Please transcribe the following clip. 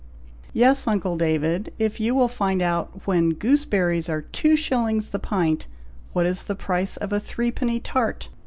"Yes, uncle David, if you will find out, when gooseberries are two shillings the pint, what is the price of a threepenny tart.